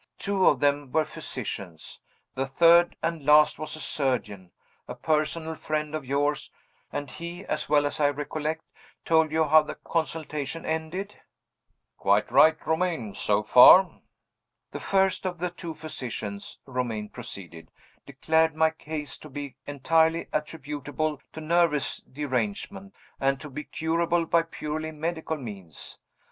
Two of them were physicians. The third, and last, was a surgeon, a personal friend of yours; and he, as well as I recollect, told you how the consultation ended?" "Quite right, Romayne so far." "The first of the two physicians," Romayne proceeded, "declared my case to be entirely attributable to nervous derangement, and to be curable by purely medical means.